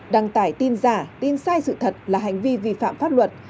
đăng tải tin giả tin sai sự thật là hành vi vi phạm pháp luật